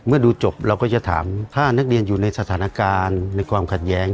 ดูจบเราก็จะถามถ้านักเรียนอยู่ในสถานการณ์ในความขัดแย้ง